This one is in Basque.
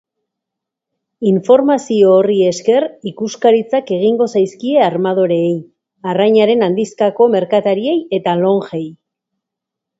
Informazio horri esker ikuskaritzak egingo zaizkie armadoreei, arrainaren handizkako merkatariei eta lonjei.